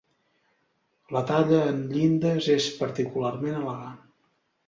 La talla en llindes és particularment elegant.